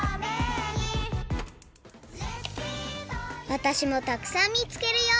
わたしもたくさん見つけるよ！